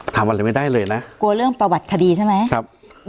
ทำอะไรไม่ได้เลยนะกลัวเรื่องประวัติคดีใช่ไหมครับ